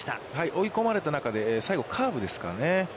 追い込まれた中で、最後、カーブですかね。